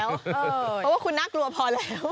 เพราะว่าคุณน่ากลัวพอแล้ว